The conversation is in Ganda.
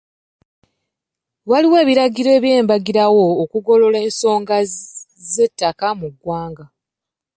Waliwo ebiragiro ebyabagibwawo okugonjoola ensonga z'ettaka mu ggwanga.